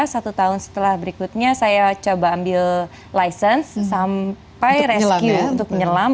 satu tahun setelah berikutnya saya coba ambil license sampai rescue untuk menyelam